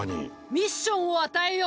ミッションを与えよう！